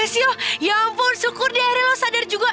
lesyu ya ampun syukur di akhirnya lo sadar juga